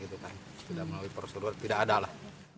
tidak melalui prosedur tidak ada lah